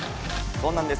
そうなんです。